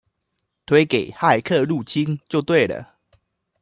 推給「駭客入侵」就對了！